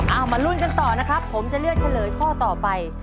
มาลุ้นกันต่อนะครับผมจะเลือกเฉลยข้อต่อไป